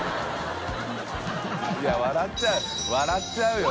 いや笑っちゃうよ笑っちゃうよ